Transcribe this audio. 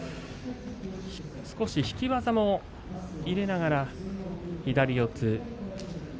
少し引き技も入れながら左四つ。